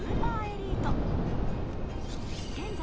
［現在］